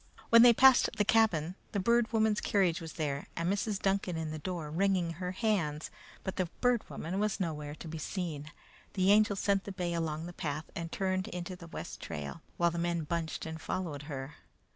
When they passed the cabin, the Bird Woman's carriage was there and Mrs. Duncan in the door wringing her hands, but the Bird Woman was nowhere to be seen. The Angel sent the bay along the path and turned into the west trail, while the men bunched and followed her.